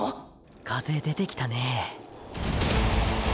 風でてきたね。